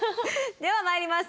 ではまいります。